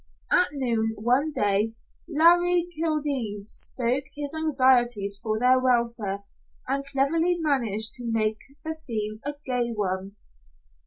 At noon one day Larry Kildene spoke his anxieties for their welfare, and cleverly managed to make the theme a gay one.